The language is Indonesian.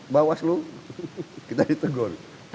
bawas lu kita ditegur